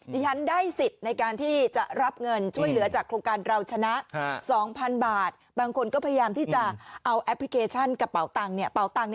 ฉันได้สิทธิ์ในการที่จะรับเงินช่วยเหลือจากโครงการเราชนะ๒๐๐๐บาทบางคนก็พยายามที่จะเอาแอปพลิเคชันกระเป๋าตังค์เป่าตังค์